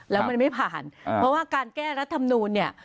แล้วมันไม่ผ่านเพราะว่าการแก้รัฐมนูลเนี่ย